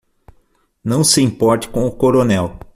Não se importe com o coronel.